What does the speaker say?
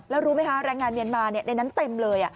แล้วรู้ไหมคะแรงงานเมียนมาในนั้นเต็มเลย